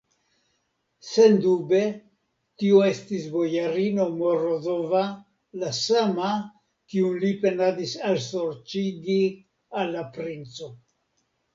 Sendube, tio estis bojarino Morozova, la sama, kiun li penadis alsorĉigi al la princo.